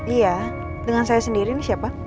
iya dengan saya sendiri ini siapa